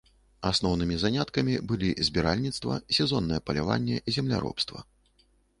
Асноўнымі заняткамі былі збіральніцтва, сезоннае паляванне, земляробства.